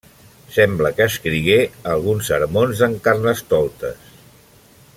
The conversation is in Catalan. Sembla que escrigué alguns sermons d'en Carnestoltes.